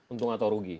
untung atau rugi